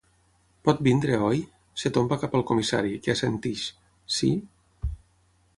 Pot venir, oi? — es tomba cap al comissari, que assenteix— Sí?